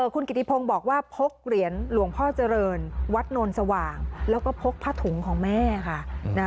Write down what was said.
คุณกิติพงศ์บอกว่าพกเหรียญหลวงพ่อเจริญวัดโนนสว่างแล้วก็พกผ้าถุงของแม่ค่ะ